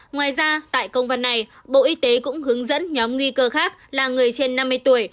ngoài ra tại công văn này bộ y tế cũng hướng dẫn nhóm nghi cơ khác là người trên năm mươi tuổi